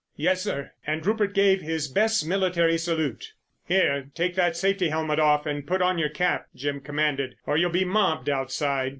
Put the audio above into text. "Yes, sir." And Rupert gave his best military salute. "Here, take that safety helmet off and put on your cap," Jim commanded, "or you'll be mobbed outside....